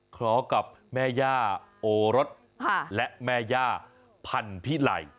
ขอกับแม่ย่าโอรสและแม่ย่าพันธิไหล